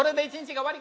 終わり！